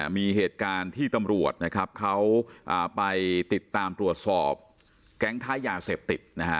มีเหตุการณ์ที่ตำรวจนะครับเขาไปติดตามตรวจสอบแก๊งค้ายาเสพติดนะฮะ